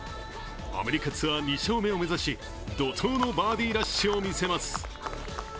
アメリカツアー２勝目を目指し、怒とうのバーディーラッシュを見せます。